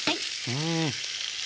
うん。